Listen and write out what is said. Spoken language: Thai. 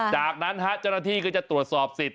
จากนั้นเจ้าหน้าที่ก็จะตรวจสอบสิทธิ